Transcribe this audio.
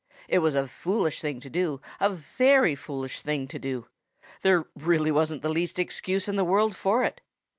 It was a foolish thing to do, a very foolish thing to do. There really wasn't the least excuse in the world for it.